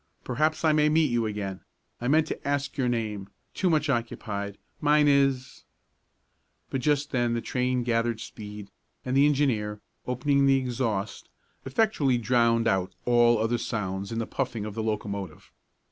Perhaps I may meet you again. I meant to ask your name too much occupied mine is " But just then the train gathered speed and the engineer, opening the exhaust, effectually drowned out all other sounds in the puffing of the locomotive.